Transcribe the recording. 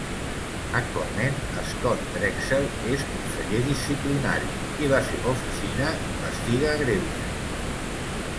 Actualment Scott Drexel és Conseller Disciplinari i la seva oficina investiga greuges.